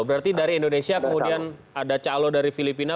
berarti dari indonesia kemudian ada calo dari filipina